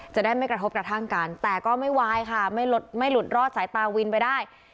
จะได้ไม่กระทบกระทั่งกันแต่ก็ไม่วายค่ะไม่หลุดรอดสายตาวินไปได้